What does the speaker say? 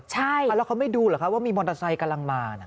ใช่แล้วเขาไม่ดูเหรอคะว่ามีมอเตอร์ไซค์กำลังมานะ